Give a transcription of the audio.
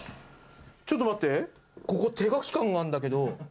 ちょっと待って、ここ、手書き感があるんだけど。